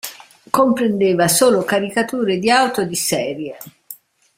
Comprendeva solo caricature di auto di serie.